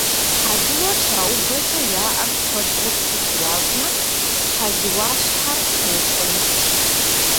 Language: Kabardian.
Хьэлыуэр щаубэкӏэ я ӏэр куэдрэ псыф ящӏмэ, хьэлыуащхьэр тоуцӏыныкӏ.